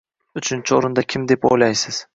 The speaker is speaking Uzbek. Uchinchi o‘rinda kim deb o‘ylaysiz?